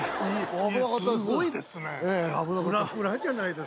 すごいですね。